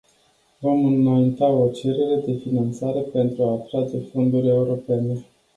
Vom înainta o cerere de finanțare pentru a atrage fonduri europene.